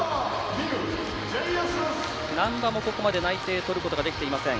難波もここまで内定とることができていません。